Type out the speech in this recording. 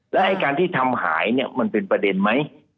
แล้วไอ้การที่ทำหายเนี่ยมันเป็นประเด็นไหม